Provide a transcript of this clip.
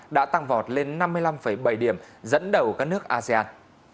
đã tăng vọt lên năm mươi năm bảy điểm dẫn đầu các nước asean